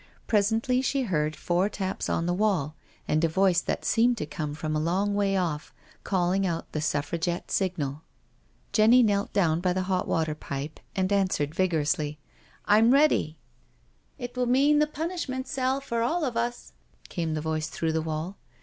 Presently she heard four taps on the wall, and a voice that seemed to come from a long way off called out the Suffragette signal. 266 NO SURRENDER Jenny knelt down by the hot water pipe and an swered vigorously: •• Tm ready " "It will mean the punishment cell for all of us/' came the voice through the wall.